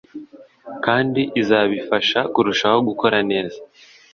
kandi izabifasha kurushaho gukora neza